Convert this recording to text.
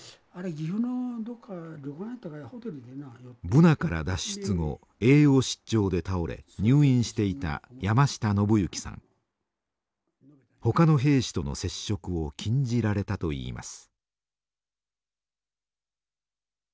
ブナから脱出後栄養失調で倒れ入院していたほかの兵士との接触を禁じられたといいます。